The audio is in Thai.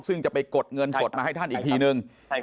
ซึ่งจะไปกดเงินสดมาให้ท่านอีกทีนึง